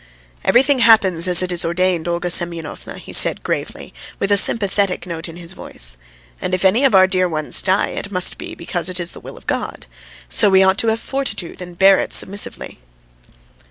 "Everything happens as it is ordained, Olga Semyonovna," he said gravely, with a sympathetic note in his voice; "and if any of our dear ones die, it must be because it is the will of God, so we ought have fortitude and bear it submissively."